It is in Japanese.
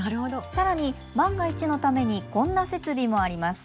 更に万が一のためにこんな設備もあります。